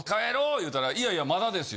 言うたら「いやいやまだですよ。